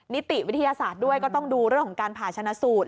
นิติวิทยาศาสตร์ด้วยก็ต้องดูเรื่องของการผ่าชนะสูตร